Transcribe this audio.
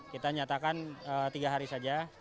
kita nyatakan tiga hari saja